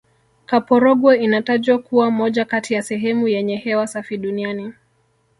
kaporogwe inatajwa kuwa moja kati ya sehemu yenye hewa safi duniani